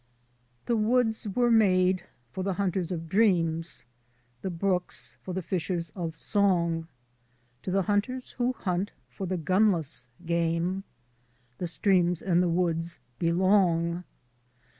THE woods were made for the hunters of dreams, The brooks for the fishers of song; To the hunters who hunt for the gunless game The streams and the woods belong.